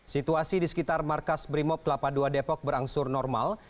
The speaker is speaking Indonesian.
situasi di sekitar markas brimob kelapa dua depok berangsur normal